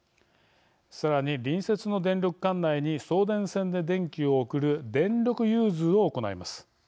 さらに、隣接の電力管内に送電線で電気を送る電力融通を行います。